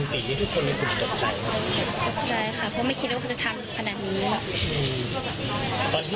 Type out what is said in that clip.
จบใจค่ะเพราะไม่คิดว่าเขาจะทำขนาดนี้